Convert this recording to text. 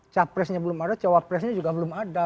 capresnya belum ada cawapresnya juga belum ada